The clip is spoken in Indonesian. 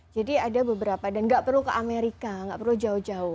jadi ada beberapa dan gak perlu ke amerika gak perlu jauh jauh